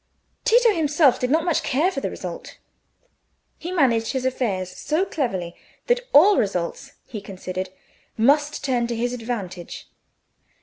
Tito himself did not much care for the result. He managed his affairs so cleverly, that all results, he considered, must turn to his advantage.